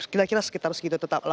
kira kira sekitar segitu tetap lah